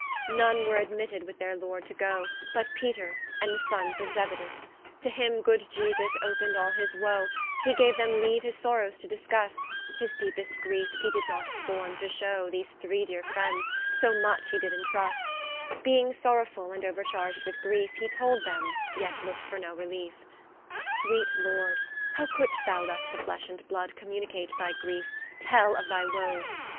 None were admitted with their Lord to goe, But Peter, and the sonnes of Zebed'us, To them good Iesus opened all his woe, He gaue them leaue his sorrows to discusse, His deepest griefes, he did not scorne to showe These three deere friends, so much he did intrust: Beeing sorrowfull, and ouercharg'd with griefe, He told them, yet look'd for no reliefe. Sweet Lord, how couldst thou thus to flesh and blood Communicate thy griefe? tell of thy woes?